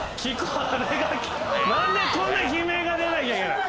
何でこんな悲鳴が出なきゃいけない。